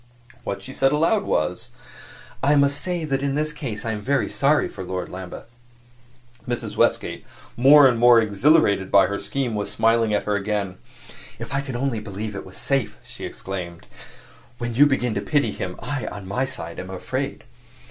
What she said aloud was, "I must say that in that case I am very sorry for Lord Lambeth." Mrs. Westgate, more and more exhilarated by her scheme, was smiling at her again. "If I could only believe it was safe!" she exclaimed. "When you begin to pity him, I, on my side, am afraid."